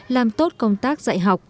làm tốt công tác dạy học